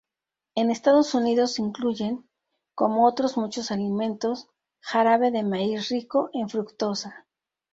En Estados Unidos incluyen, como otros muchos alimentos, jarabe de maíz rico en fructosa.